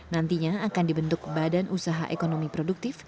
nantinya akan dibentuk badan usaha ekonomi produktif